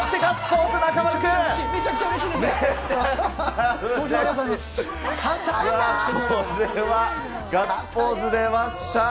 これはガッツポーズ出ました。